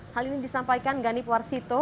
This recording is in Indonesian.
hal ini disampaikan ganip warsito